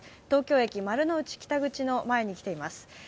東京駅丸の内北口の前に来ています